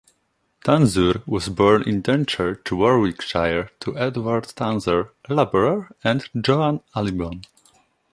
Tans'ur was born in Dunchurch, Warwickshire to Edward Tanzer, a labourer, and Joan Alibone.